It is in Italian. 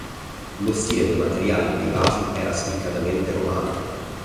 Lo stile dei materiali e dei vasi era spiccatamente romano.